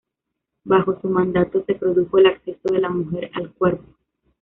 Bajo su mandato se produjo el acceso de la mujer al cuerpo.